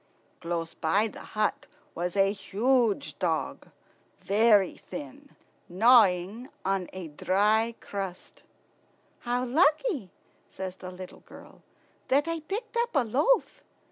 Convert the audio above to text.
Close by the hut was a huge dog, very thin, gnawing a dry crust. "How lucky," says the little girl, "that I picked up a loaf!"